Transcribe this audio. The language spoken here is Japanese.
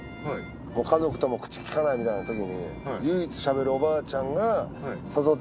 家族とも口きかないみたいなときに唯一しゃべるおばあちゃんが。